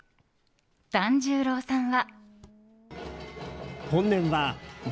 團十郎さんは。